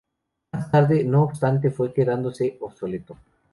Más tarde, no obstante fue quedándose obsoleto.